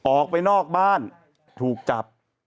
ออกไปนอกบ้านถูกจับ